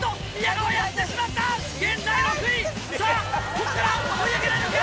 ここから追い上げられるか？